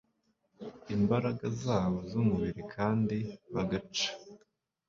imbaraga zabo zumubiri kandi bagaca